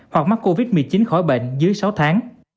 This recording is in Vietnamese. hoặc mắc covid một mươi chín khỏi bệnh dưới sáu tháng